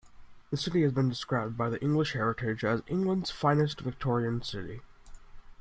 The city has been described by the English Heritage as England's finest Victorian City.